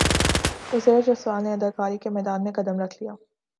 عزیر جسوال نے اداکاری کے میدان میں قدم رکھ لیا